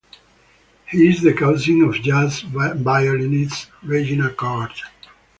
He is the cousin of jazz violinist Regina Carter.